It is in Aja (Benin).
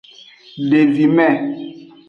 Devime.